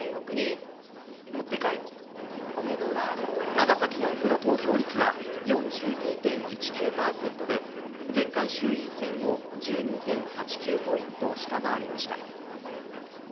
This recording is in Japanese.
長崎４区の投票率は４２．１９％で前回衆院選を１２．８９ポイント下回りました。